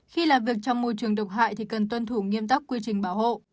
khi làm việc trong môi trường độc hại thì cần tuân thủ nghiêm tắc quy trình bảo hộ